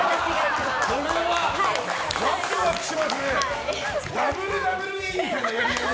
これはワクワクしますね。